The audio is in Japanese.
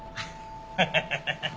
ハハハハハ。